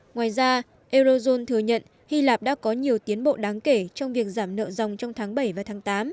ngoài ra eurozone thừa nhận hy lạp đã có nhiều tiến bộ đáng kể trong việc giảm nợ dòng trong tháng bảy và tháng tám